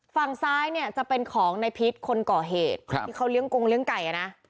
ฝั่งซ้ายเนี่ยจะเป็นของในพิษคนก่อเหตุครับที่เขาเลี้ยงกงเลี้ยไก่อ่ะนะ